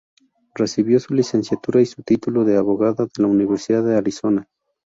Recibió su licenciatura y su título de abogado de la Universidad de Arizona.